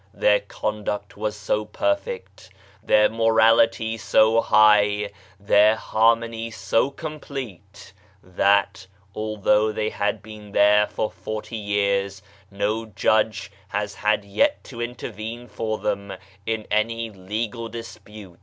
Their conduct was so perfect, their morality so high, their harmony so complete, that, although they have been there for forty years, no judge has had yet to intervene for them in any legal disputes.